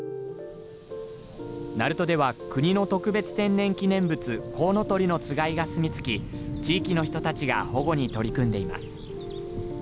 鳴門では、国の特別天然記念物コウノトリのつがいが住みつき地域の人たちが保護に取り組んでいます。